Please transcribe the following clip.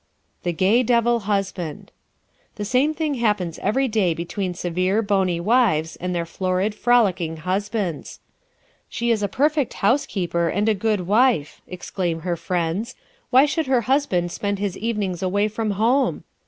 The "Gay Devil" Husband ¶ The same thing happens every day between severe, bony wives and their florid, frolicking husbands. "She is a perfect housekeeper and a good wife" exclaim her friends "why should her husband spend his evenings away from home?"